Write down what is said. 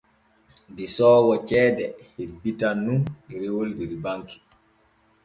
Desoowo ceede hebbitan nun ɗerewol der banki.